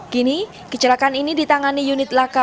kini kecelakaan ini ditangani unit laka